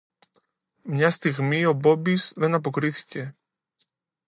Μια στιγμή ο Μπόμπης δεν αποκρίθηκε